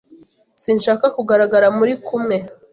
Sinshaka kugaragara muri kumwe.